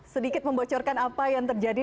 sedikit membocorkan apa yang terjadi